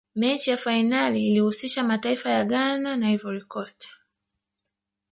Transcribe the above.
mechi ya fainali ilihusisha mataifa ya ghana na ivory coast